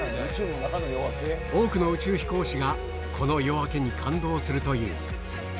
多くの宇宙飛行士がこの夜明けに感動するという。